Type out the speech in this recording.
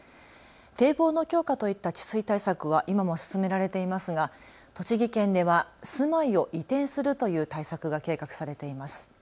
堤防の強化といった治水対策は今も進められていますが栃木県では住まいを移転するという対策が計画されています。